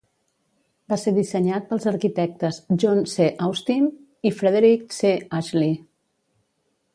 Va ser dissenyat pels arquitectes John C. Austin i Frederick C. Ashley.